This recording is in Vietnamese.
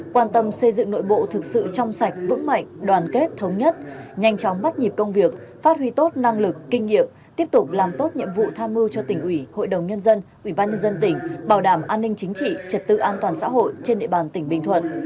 quan tâm xây dựng nội bộ thực sự trong sạch vững mạnh đoàn kết thống nhất nhanh chóng bắt nhịp công việc phát huy tốt năng lực kinh nghiệm tiếp tục làm tốt nhiệm vụ tham mưu cho tỉnh ủy hội đồng nhân dân ủy ban nhân dân tỉnh bảo đảm an ninh chính trị trật tự an toàn xã hội trên địa bàn tỉnh bình thuận